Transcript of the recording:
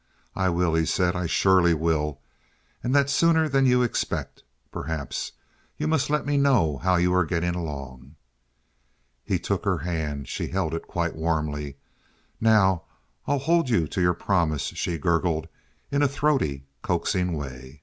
"I will," he said, "I surely will. And that sooner than you expect, perhaps. You must let me know how you are getting along." He took her hand. She held his quite warmly. "Now I'll hold you to your promise," she gurgled, in a throaty, coaxing way.